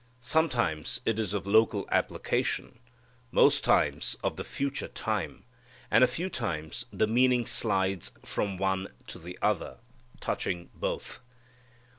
Sometimes it is of local application; most times of the future time, and a few times the meaning slides from one to the other, touching both.